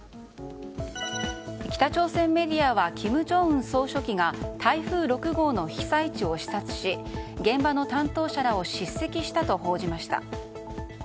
北朝鮮メディアは金正恩総書記が台風６号の被災地を視察し現場の担当者らを叱責したと報じました。